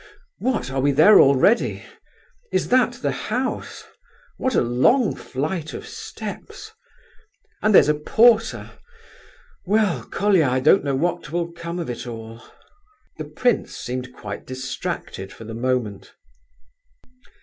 What! are we there already? Is that the house? What a long flight of steps! And there's a porter! Well, Colia I don't know what will come of it all." The prince seemed quite distracted for the moment.